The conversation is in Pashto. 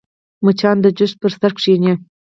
مچان د جوس پر سر کښېني